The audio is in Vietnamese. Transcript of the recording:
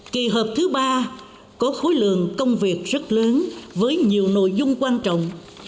kỳ họp thứ ba có khối lượng công việc rất lớn với nhiều nội dung quan trọng